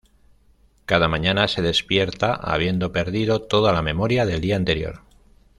Cada mañana se despierta habiendo perdido toda la memoria del día anterior.